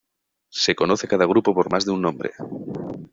Se conoce a cada grupo por más de un nombre.